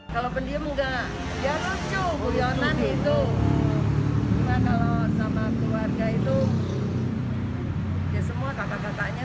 kalau pendiam enggak ya lucu huyotan itu kalau sama keluarga itu semua kata katanya